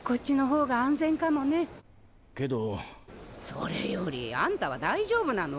それよりあんたは大丈夫なの？